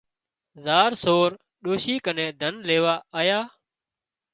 زار سور ڏوشي ڪنين ڌن ليوا آيا